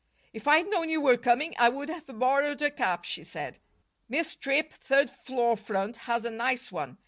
"If I'd known you were coming I would have borrowed a cap," she said. "Miss Tripp, third floor front, has a nice one.